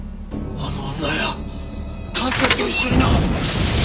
あの女や探偵と一緒にな。